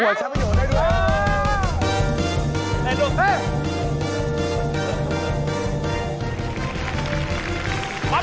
ถูกสุด